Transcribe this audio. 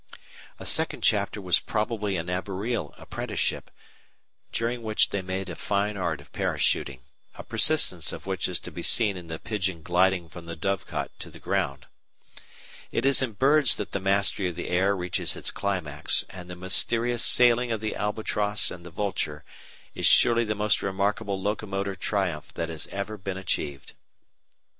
A second chapter was probably an arboreal apprenticeship, during which they made a fine art of parachuting a persistence of which is to be seen in the pigeon "gliding" from the dovecot to the ground. It is in birds that the mastery of the air reaches its climax, and the mysterious "sailing" of the albatross and the vulture is surely the most remarkable locomotor triumph that has ever been achieved.